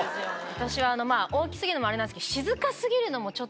私は大き過ぎるのもあれなんですけど。